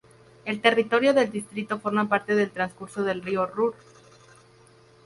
El territorio del distrito forma parte del transcurso del río Ruhr.